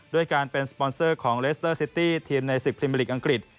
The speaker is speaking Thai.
ด้วยการเป็นสปอนเซอร์ของเลสเตอร์ซิตี้ทีมใน๑๐พรีเมอร์ลีกอังกฤษ